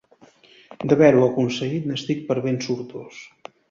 D'haver-ho aconseguit, n'estic per ben sortós.